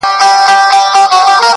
ښکاري و ویشتی هغه موږک یارانو,